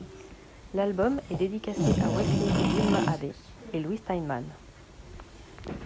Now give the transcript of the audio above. L'album est dédicacé à Wesley et Wilma Aday et Louis Steinman.